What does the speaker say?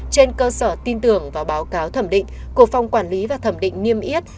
trên cơ sở tin tưởng vào báo cáo thẩm định của phòng quản lý và thẩm định niêm yết